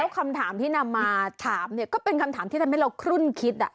คำถามที่นำมาถามก็เป็นคำถามที่ทำให้เราครุ่นคิด